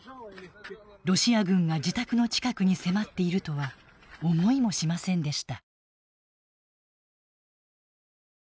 ロシア軍が自宅の近くに迫っているとは思いもしませんでした。